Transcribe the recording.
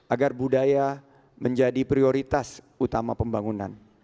agar budaya menjadi prioritas utama pembangunan